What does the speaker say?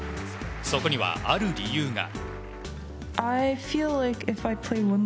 そこには、ある理由が。